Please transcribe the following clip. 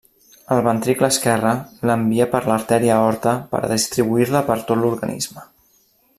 El ventricle esquerre l'envia per l'artèria aorta per a distribuir-la per tot l'organisme.